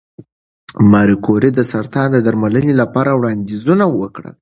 ماري کوري د سرطان د درملنې لپاره وړاندیزونه وکړل.